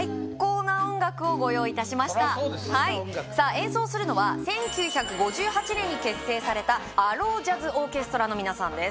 演奏するのは１９５８年に結成されたアロージャズオーケストラの皆さんです